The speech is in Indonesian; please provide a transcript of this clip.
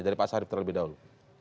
jadi pak syarif terlebih dahulu